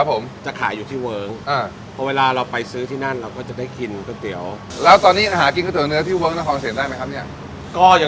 นะครับผมจะขายอยู่ที่เวิร์งหรอเวลาเราไปซื้อที่นั่นเราก็จะได้กินก๋วยเตี๋ยวแล้วตอนนี้อาหารกินก๋วย